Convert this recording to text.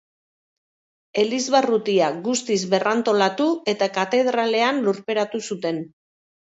Elizbarrutia guztiz berrantolatu eta katedralean lurperatu zuten.